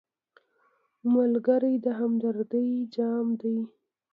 ملګری د همدردۍ جام دی